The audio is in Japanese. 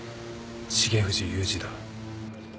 重藤雄二だ。